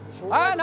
何？